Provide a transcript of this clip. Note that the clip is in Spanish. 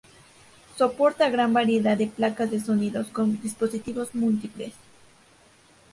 Soporta gran variedad de placas de sonidos con dispositivos múltiples.